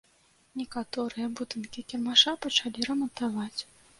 Некаторыя будынкі кірмаша пачалі рамантаваць.